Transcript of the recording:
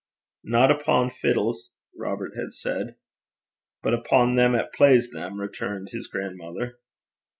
'Nae upo' fiddles,' Robert had said. 'But upo' them 'at plays them,' returned his grandmother.